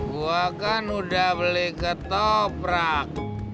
gua kan udah beli ke toprak